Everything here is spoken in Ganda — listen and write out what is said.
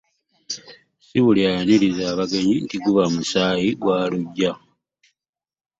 Sibuli ayaniriza abgenyi nti guba musaaayi gwa luggya .